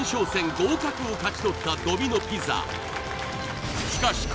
合格を勝ち取ったドミノ・ピザ